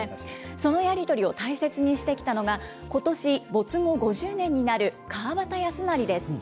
そのやり取りを大切にしてきたのが、ことし、没後５０年になる川端康成です。